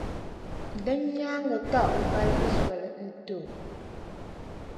Din nyaaŋa ka O balgi soli n-ti o.